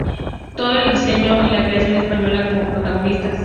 Todo con el diseño y la creación española como protagonistas.